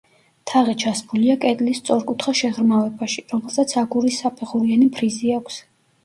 თაღი ჩასმულია კედლის სწორკუთხა შეღრმავებაში, რომელსაც აგურის საფეხურიანი ფრიზი აქვს.